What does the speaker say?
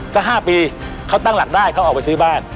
สัก๕ปีเขาตั้งหลักได้เขาออกไปซื้อบ้าน